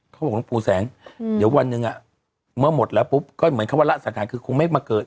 หลวงปู่แสงเดี๋ยววันหนึ่งอ่ะเมื่อหมดแล้วปุ๊บก็เหมือนคำว่าละสถานคือคงไม่มาเกิด